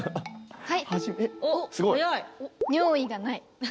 はい。